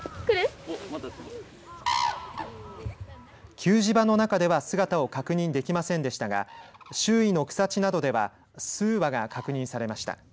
給餌場の中では姿を確認できませんでしたが周囲の草地などでは数羽が確認されました。